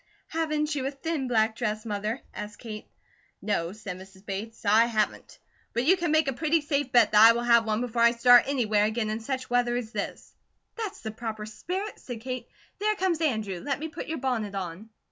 "Haven't you a thin black dress, Mother?" asked Kate. "No," said Mrs. Bates, "I haven't; but you can make a pretty safe bet that I will have one before I start anywhere again in such weather as this." "That's the proper spirit," said Kate. "There comes Andrew. Let me put your bonnet on."